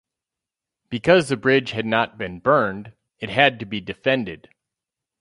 Because the bridge had not been burned, it had to be defended.